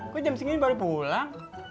gue jam segini baru pulang